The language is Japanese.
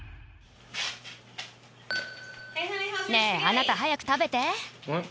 ねえ、あなた早く食べて。